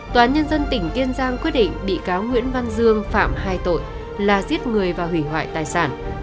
tòa án nhân dân tỉnh kiên giang quyết định bị cáo nguyễn văn dương phạm hai tội là giết người và hủy hoại tài sản